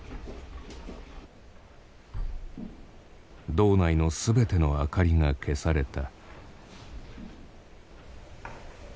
堂内の全ての明かりが消された。